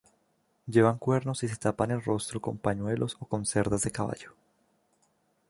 Llevan cuernos y se tapan el rostro con pañuelos o con cerdas de caballo.